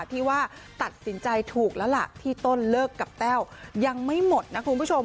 ที่ว่าตัดสินใจถูกแล้วล่ะที่ต้นเลิกกับแต้วยังไม่หมดนะคุณผู้ชม